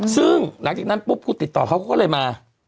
ซึ่งหลังจากนั้นปุ๊บกูติดต่อเขาเขาก็เลยมา